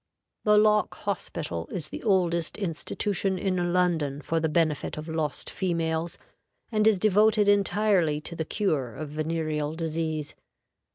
The Lock Hospital is the oldest institution in London for the benefit of lost females, and is devoted entirely to the cure of venereal disease.